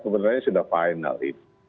sebenarnya sudah final ini